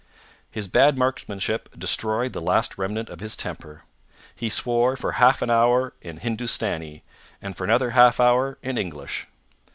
His bad marksmanship destroyed the last remnant of his temper. He swore for half an hour in Hindustani, and for another half hour in English.